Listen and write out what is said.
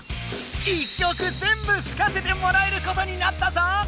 １曲全部吹かせてもらえることになったぞ！